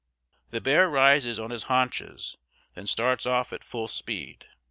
] "The bear rises on his haunches, then starts off at full speed.